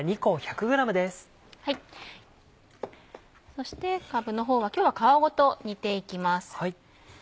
そしてかぶの方は今日は皮ごと煮ていきます。